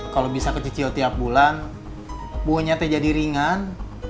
kalau bisa kecicil tiap bulan buah nyate jadi ringan